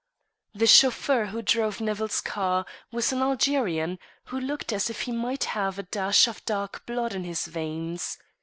The chauffeur who drove Nevill's car was an Algerian who looked as if he might have a dash of dark blood in his veins.